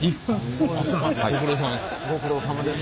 ご苦労さまです。